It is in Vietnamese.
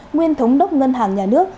nguyên thống đốc ngân hàng nhà nước